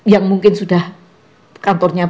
yang mungkin sudah kantornya